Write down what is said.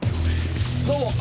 どうも。